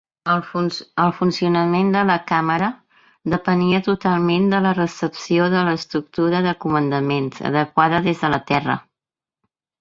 El funcionament de la càmera depenia totalment de la recepció de l'estructura de comandaments adequada des de la Terra.